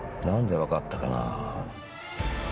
何でわかったかな。